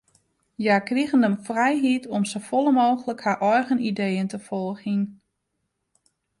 Hja krigen de frijheid om safolle mooglik har eigen ideeën te folgjen.